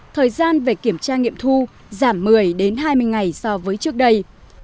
thời gian về kiểm tra nghiệm thu giảm một mươi hai mươi ngày so với trước đây